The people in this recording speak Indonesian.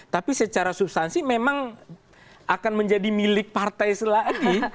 tapi secara substansi memang akan menjadi milik partai selagi